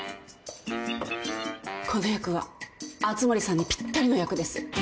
この役は熱護さんにぴったりの役です。